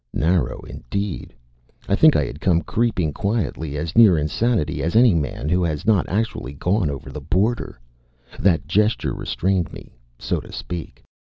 Narrow indeed. I think I had come creeping quietly as near insanity as any man who has not actually gone over the border. That gesture restrained me, so to speak.